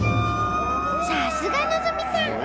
さすが希さん！